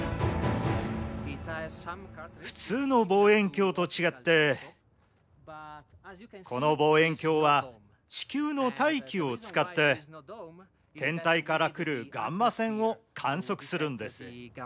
普通の望遠鏡と違ってこの望遠鏡は地球の大気を使って天体から来るガンマ線を観測するんです。